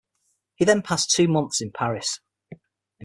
He then passed two months in Paris.